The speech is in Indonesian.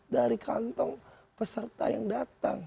dari kantong peserta yang datang